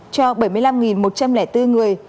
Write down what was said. cho bảy mươi năm một trăm linh bốn người